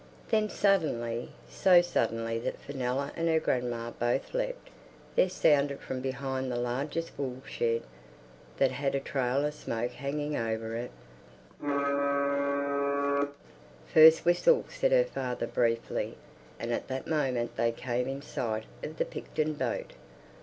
Then suddenly, so suddenly that Fenella and her grandma both leapt, there sounded from behind the largest wool shed, that had a trail of smoke hanging over it, "Mia oo oo O O!" "First whistle," said her father briefly, and at that moment they came in sight of the Picton boat.